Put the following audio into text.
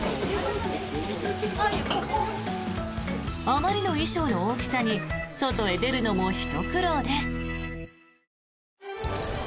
あまりの衣装の大きさに外へ出るのもひと苦労です。